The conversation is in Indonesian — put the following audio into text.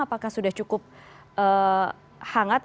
apakah sudah cukup hangat